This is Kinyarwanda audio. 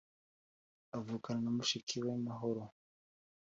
uvukana na mushiki we Mahoro.